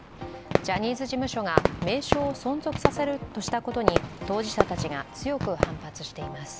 ジャニーズ事務所が名称を存続させるとしたことに当事者たちが強く反発しています。